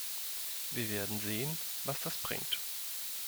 Wir werden sehen, was das bringt.